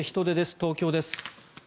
東京です。